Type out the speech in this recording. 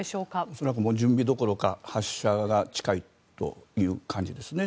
恐らく準備どころか発射が近いということですね。